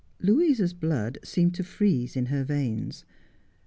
Louisa's blood seemed to freeze in her veins.